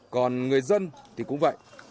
còn người dân thì cũng vậy